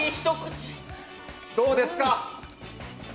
どうですか？